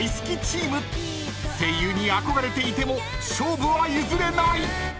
［声優に憧れていても勝負は譲れない］